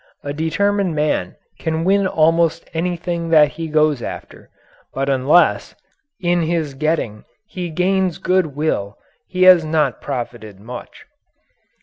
A determined man can win almost anything that he goes after, but unless, in his getting, he gains good will he has not profited much.